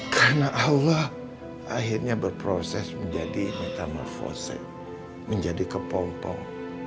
karena allah akhirnya berproses menjadi metamorfose menjadi kepompong